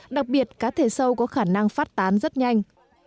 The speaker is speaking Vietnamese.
đặc biệt cá thể sâu có khả năng phát tán rất nhanh